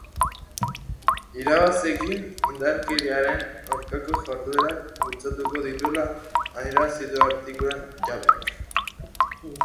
Irabaziekin indarkeriaren aurkako jarduerak bultzatuko dituela adierazi du artikuluen jabeak.